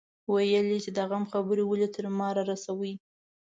ويل يې چې د غم خبرې ولې تر ما رارسوي.